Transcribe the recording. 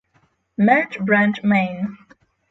Merge branch main